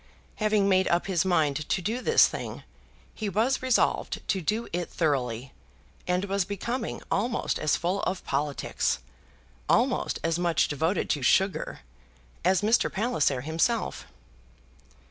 Having made up his mind to do this thing, he was resolved to do it thoroughly, and was becoming almost as full of politics, almost as much devoted to sugar, as Mr. Palliser himself.